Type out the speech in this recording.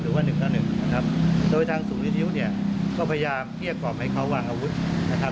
ก็พยายามเทียบกรอบให้เขาวางอาวุธนะครับ